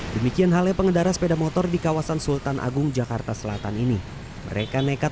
demikian halnya pengendara sepeda motor di kawasan sultan agung jakarta selatan ini mereka nekat